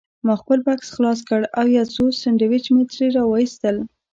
ما خپل بکس خلاص کړ او یو څو سنډوېچ مې ترې راوایستل.